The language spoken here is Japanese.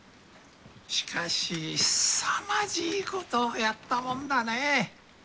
しかしすさまじいことをやったもんだねぇ。